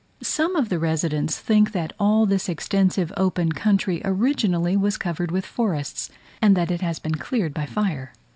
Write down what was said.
Some of the residents think that all this extensive open country originally was covered with forests, and that it has been cleared by fire.